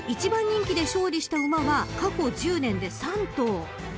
１番人気で勝利した馬は過去１０年で３頭］